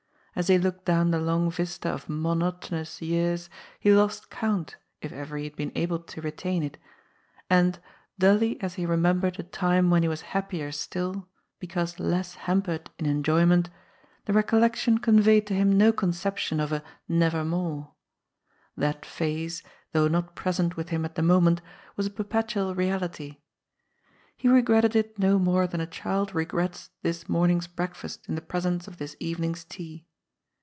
As he looked down the long vista of mo notonous years, he lost count, if ever he had been able to retain it, and, dully as he remembered a time when he was happier still, because less hampered in enjoyment, the rec ollection conveyed to him no conception of a " nevermore." That phase, though not present with him at the moment, was a perpetual reality. He regretted it no more than a child regrets this morning's breakfast in the presence of this evening's tea.